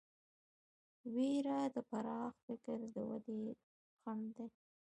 وېره د پراخ فکر د ودې خنډ دی.